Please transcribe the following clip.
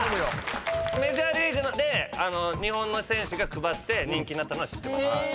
メジャーリーグで日本の選手が配って人気になったのは知ってます。